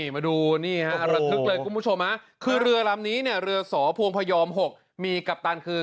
มาดูแล้วคุณผู้ชมฮะคือเรือลำนี้เนี่ยเรือสอภวงพยอมหกมีกัปตันคือ